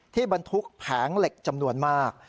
บรรทุกแผงเหล็กจำนวนมาก